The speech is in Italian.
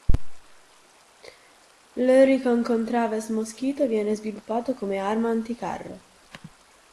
L'Oerlikon-Contraves Mosquito viene sviluppato come arma anticarro.